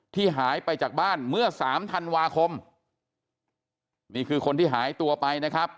หายไปจากบ้านเมื่อสามธันวาคมนี่คือคนที่หายตัวไปนะครับ